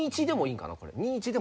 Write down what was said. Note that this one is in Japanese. ２：１でもいいんかなこれ。